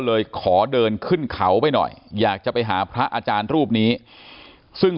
เลยขอเดินขึ้นเขาไปหน่อยอยากจะไปหาพระอาจารย์รูปนี้ซึ่ง